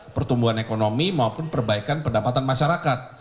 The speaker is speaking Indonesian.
pertumbuhan ekonomi maupun perbaikan pendapatan masyarakat